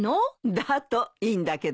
だといいんだけどね。